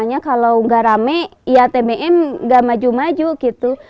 makanya kalau nggak rame ya tbm nggak maju maju gitu